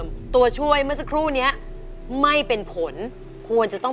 และแข่งหลัง